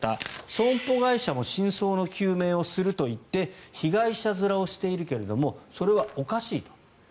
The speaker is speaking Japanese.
損保会社も真相の究明をすると言って被害者面をしているけれどもそれはおかしいと。